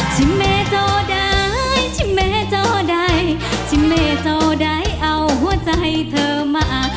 ทิเมตต์โดยทิเมตต์โดยทิเมตต์โดยเอาหัวใจเธอมา